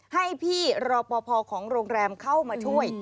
ให้พี่รอปภของโรงแรมเข้ามาช่วย